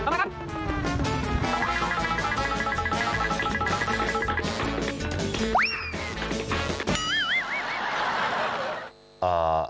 เอาล่ะครับ